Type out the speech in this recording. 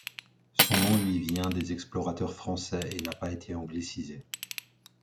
Son nom lui vient des explorateurs français et n'a pas été anglicisé.